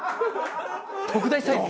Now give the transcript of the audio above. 特大サイズ。